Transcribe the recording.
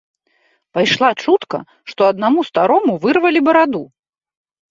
Пайшла чутка, што аднаму старому вырвалі бараду.